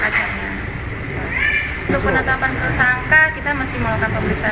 karena kan untuk menemukan dia penetapan tersangka masih ada langkah langkah yang harus diperlukan